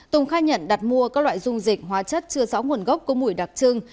tùng khai nhận đặt mua các loại dung dịch hóa chất chưa rõ nguồn gốc có mùi đặc trưng